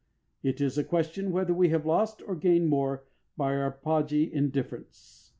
It is a question whether we have lost or gained more by our podgy indifference.